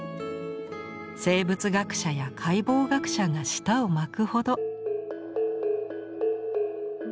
生物学者や解剖学者が舌を巻くほど。